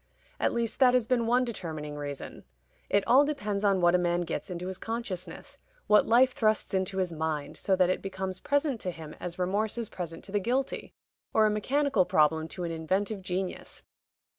At least that has been one determining reason. It all depends on what a man gets into his consciousness what life thrusts into his mind, so that it becomes present to him as remorse is present to the guilty, or a mechanical problem to an inventive genius.